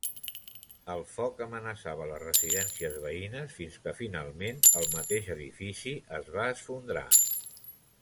El foc amenaçava les residències veïnes fins que, finalment, el mateix edifici es va esfondrar.